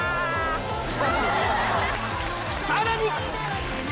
・さらに！